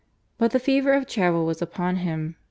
But the fever of travel was upon him.